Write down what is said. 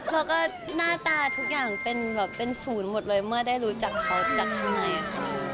แล้วก็หน้าตาทุกอย่างเป็นแบบเป็นศูนย์หมดเลยเมื่อได้รู้จักเขาจากข้างในค่ะ